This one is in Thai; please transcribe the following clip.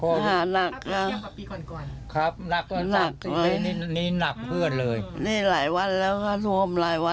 ลำบากเลยใช่ไหมคุณยายครับ